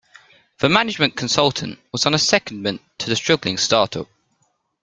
The management consultant was on secondment to the struggling start-up